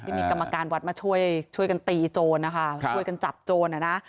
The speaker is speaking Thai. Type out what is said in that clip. มีกรรมการวัดมาช่วยกันตีโจทย์ช่วยกันจับโจทย์